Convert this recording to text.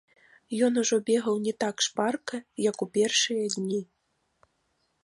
Ён ужо бегаў не так шпарка, як у першыя дні.